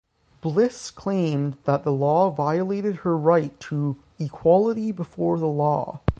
Bliss claimed that the law violated her right to "equality before the law".